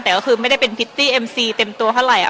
แต่ก็คือไม่ได้เป็นพิตตี้เอ็มซีเต็มตัวเท่าไหร่